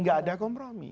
gak ada komromi